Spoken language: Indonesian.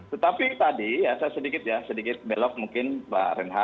tetapi tadi saya sedikit belok mungkin mbak renhad